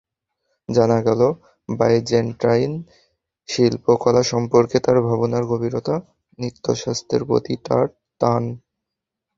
জানা গেল বাইজেন্টাইন শিল্পকলা সম্পর্কে তাঁর ভাবনার গভীরতা, নৃত্যশাস্ত্রের প্রতি তাঁর টান।